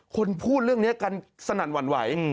คนพูดเรื่องนี้กันสนั่นหวั่นไหว